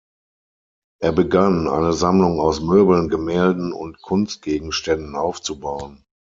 Er begann, eine Sammlung aus Möbeln, Gemälden und Kunstgegenständen aufzubauen.